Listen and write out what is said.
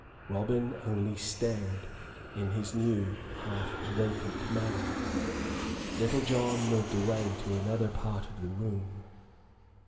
Robin only stared in his new half vacant manner. Little John moved away to another part of the room.